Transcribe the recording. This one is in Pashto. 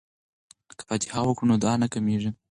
که فاتحه وکړو نو دعا نه کمیږي.